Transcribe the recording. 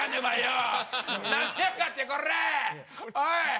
はい！